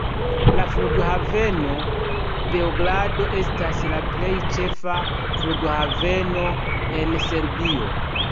La Flughaveno Beogrado estas la plej ĉefa flughaveno en Serbio.